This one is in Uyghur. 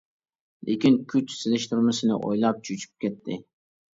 لېكىن كۈچ سېلىشتۇرمىسىنى ئويلاپ چۆچۈپ كەتتى.